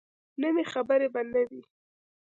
نوي خبرې به نه وي.